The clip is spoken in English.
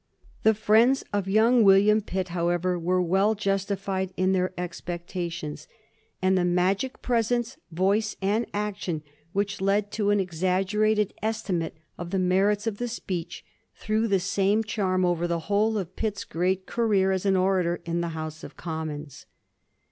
The friends of young William Pitt, however, were well justified in their expectations ; and the magic of 54 A HISTORY OF THE FOUR GEORGEa GH.zxm. presence, voice, and action, which led to an exaggerated estimate of the merits of the speech, threw the same charm over the whole of Pitt's great career as an orator in the House of Commons.